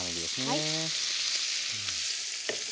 はい。